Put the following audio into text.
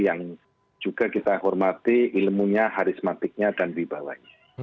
yang juga kita hormati ilmunya harismatiknya dan wibawanya